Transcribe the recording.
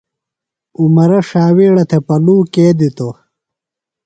عمرہ شاویڑہ تھےۡ پلو کے دِتو دےۡ؟